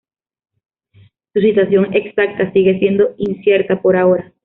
Su situación exacta sigue siendo incierta por ahora.